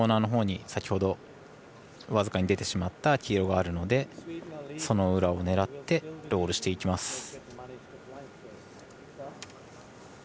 コーナーのほうに先ほど僅かに出てしまった黄色があるのでその裏を狙ってロールしていきます。